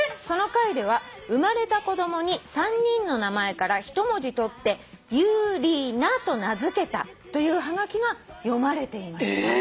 「その回では生まれた子供に３人の名前から１文字取って『ユリナ』と名付けたというはがきが読まれていました」